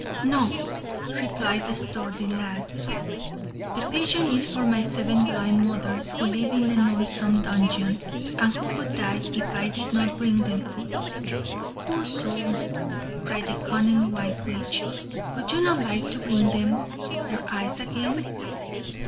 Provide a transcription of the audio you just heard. "No," replied the sturdy lad, "the pigeon is for my seven blind mothers, who live in the noisome dungeon, and who would die if I did not bring them food." "Poor souls!" cried the cunning white witch; "would you not like to bring them their eyes again?